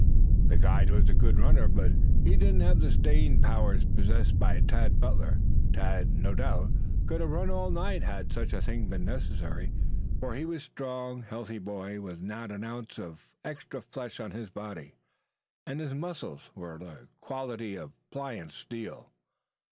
The guide was a good runner, but he did not have the staying powers possessed by Tad Butler. Tad, no doubt, could have run all night had such a thing been necessary, for he was a strong, healthy boy with not an ounce of extra flesh on his body, and his muscles were of the quality of pliant steel.